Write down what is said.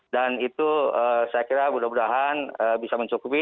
dan itu saya kira mudah mudahan bisa mencukupi